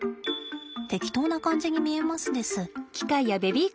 適当な感じに見えますです。